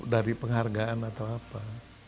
dari penghargaan atau apa